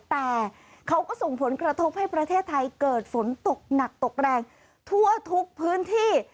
แต่เขาก็ส่งผลกระทบให้ประเทศไทยเกิดฝนตกหนักตกแรงทั่วทุกพื้นที่